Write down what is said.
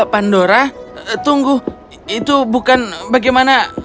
pandora tunggu itu bukan bagaimana